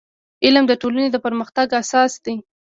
• علم د ټولنې د پرمختګ اساس دی.